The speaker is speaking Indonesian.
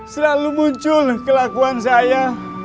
selalu muncul kelakuan saya